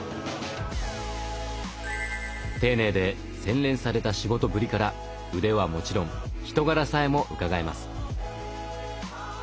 丁寧で洗練された仕事ぶりから腕はもちろん人柄さえもうかがえます。